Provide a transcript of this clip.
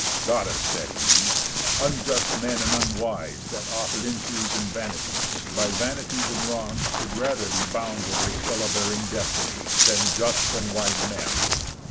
"Goddess," said he, "unjust men, and unwise, That author injuries and vanities, By vanities and wrongs should rather be Bound to this ill abearing destiny, Than just and wise men.